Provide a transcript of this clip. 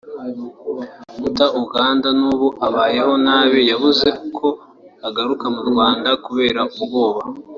muta Uganda n’ubu abayeho nabi yabuze uko agaruka mu Rwanda kubera ubwoba